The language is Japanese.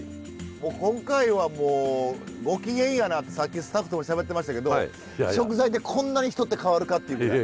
今回はもうご機嫌やなってさっきスタッフともしゃべってましたけど食材でこんなに人って変わるかっていうぐらい。